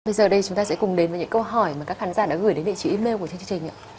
bây giờ đây chúng ta sẽ cùng đến với những câu hỏi mà các khán giả đã gửi đến địa chỉ email của chương trình